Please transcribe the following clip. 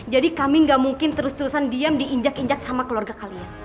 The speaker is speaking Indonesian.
jadi kami gak mungkin terus terusan diam di injak injak sama keluarga kalian